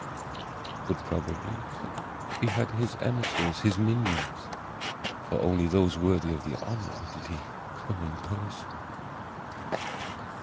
But probably he had his emissaries, his minions: for only those worthy of the honor did he come in person.